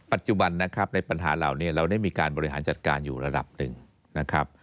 ปัจจุบันนะครับในปัญหาเหล่านี้เราได้มีการบริหารจัดการอยู่ระดับหนึ่งนะครับ